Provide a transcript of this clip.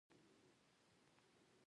دښمن ستا له ځواک نه وېره لري